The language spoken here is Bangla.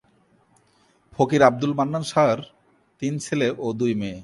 ফকির আবদুল মান্নান শাহর তিন ছেলে ও দুই মেয়ে।